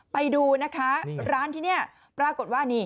ไปดูนะคะร้านที่นี่ปรากฏว่านี่